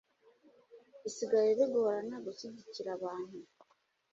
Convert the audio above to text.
bisigaye bigorana gushyigikira abantu